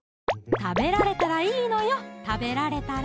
食べられたらいいのよ食べられたら！